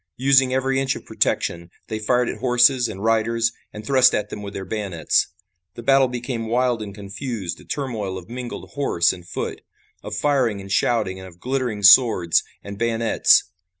Using every inch of protection, they fired at horses and riders and thrust at them with their bayonets. The battle became wild and confused, a turmoil of mingled horse and foot, of firing and shouting and of glittering swords and bayonets.